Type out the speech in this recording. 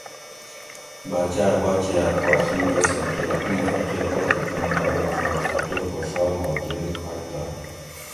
باۤچاۤ اۤ باچیاۤت پا ڷی دوسیں کیر اِیں فقیر پتہ چُنڑی ارو چھور فقیر خوشحال ہو گیل کھگ تہ